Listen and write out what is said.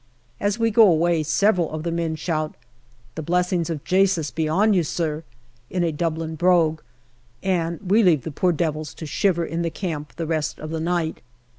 As we go away, several of the men shout, " The blessings of Jasus be on you, sir !" in a Dublin brogue, and we leave the poor devils to shiver in the camp the rest of the night.